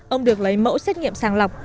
ông được lấy mẫu xét nghiệm sàng lọc